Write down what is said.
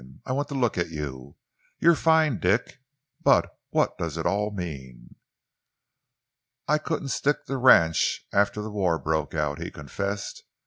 I want to look at you. You're fine, Dick, but what does it all mean?" "I couldn't stick the ranch after the war broke out," he confessed.